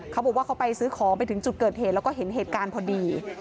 เขาบอกว่าเขาไปซื้อของไปถึงจุดเกิดเหตุแล้วก็เห็นเหตุการณ์พอดี